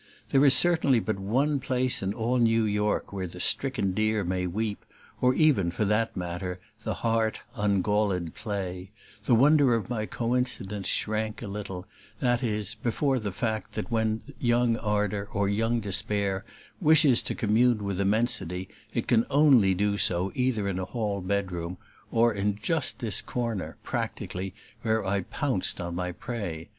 There is certainly but one place in all New York where the stricken deer may weep or even, for that matter, the hart ungalled play; the wonder of my coincidence shrank a little, that is, before the fact that when young ardor or young despair wishes to commune with immensity it can ONLY do so either in a hall bedroom or in just this corner, practically, where I pounced on my prey.